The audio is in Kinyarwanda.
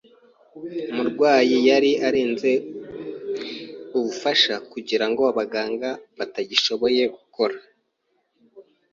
Umurwayi yari arenze ubufasha, kugirango abaganga batagishoboye gukora.